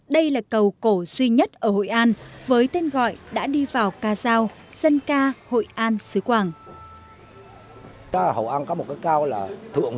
đây là cầu cổ duy nhất ở hội an với tên gọi đã đi vào ca giao sơn ca hội an xứ quảng